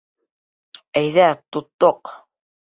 — Әйҙә, тоттоҡ!